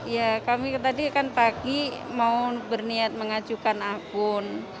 ya kami tadi kan pagi mau berniat mengajukan akun